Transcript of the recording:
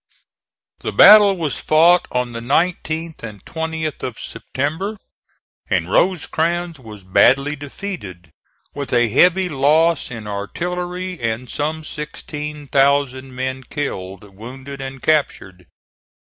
The battle was fought on the 19th and 20th of September, and Rosecrans was badly defeated, with a heavy loss in artillery and some sixteen thousand men killed, wounded and captured.